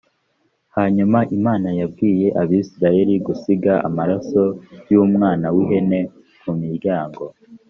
hanyuma imana yabwiye abisirayeli gusiga amaraso y’umwana w’ihene ku miryango